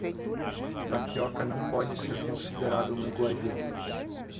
Tapioca não pode ser considerada uma iguaria.